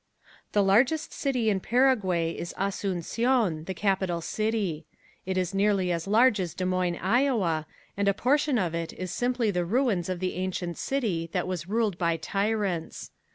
The largest city in Paraguay is Asuncion, the capital city. It is nearly as large as Des Moines, Iowa, and a portion of it is simply the ruins of the ancient city that was ruled by tyrants.